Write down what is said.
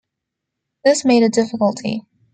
This made a difficulty.